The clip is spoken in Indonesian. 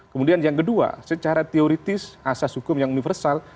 kemudian yang kedua secara teoritis asas hukum yang universal